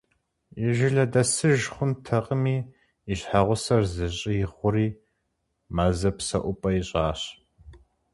И жылэ дэсыж хъунутэкъыми, и щхьэгъусэр зыщӏигъури, мэзыр псэупӏэ ищӏащ.